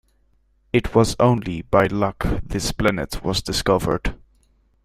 It was only by luck this planet was discovered.